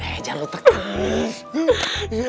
eh jangan lo tek tek iyan